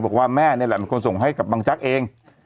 บอกว่าแม่นี่แหละเป็นคนส่งให้กับบังแจ๊กเอง